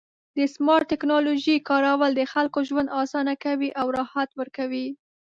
د سمارټ ټکنالوژۍ کارول د خلکو ژوند اسانه کوي او راحت ورکوي.